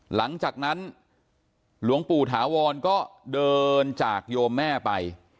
หลังจากนั้นหลวงปู่ถาวรก็เดินจากโยมแม่ไป